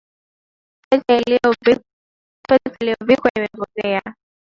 Pete aliyovikwa imepotea